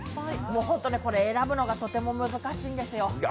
ホントね、選ぶのがとても難しいんですよ。